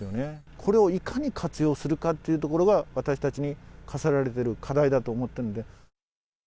これをいかに活用するかっていうところが、私たちに課せられてる課題だと思っているんで。